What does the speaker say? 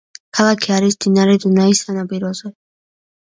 ქალაქი არის მდინარე დუნაის სანაპიროზე.